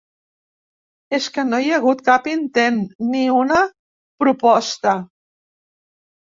És que no hi ha hagut cap intent, ni una proposta.